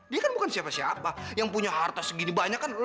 dia kan bukan siapa siapa yang punya harta segini banyak kan